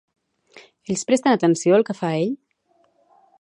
Ells presten atenció al que fa ell?